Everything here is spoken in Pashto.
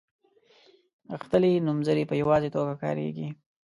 غښتلي نومځري په یوازې توګه کاریږي.